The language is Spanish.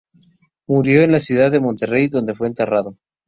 Murió en la ciudad de Monterrey donde fue enterrado.